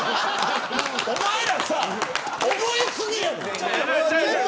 お前らさ、覚え過ぎ。